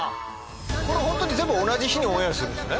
これホントに全部同じ日にオンエアするんですよね？